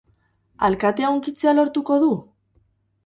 Alkatea hunkitzea lortuko du?